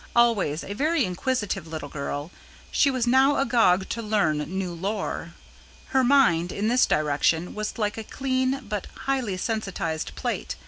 Always a very inquisitive little girl, she was now agog to learn new lore. Her mind, in this direction, was like a clean but highly sensitised plate.